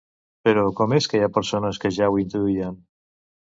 Però, com és que hi ha persones que ja ho intuïen?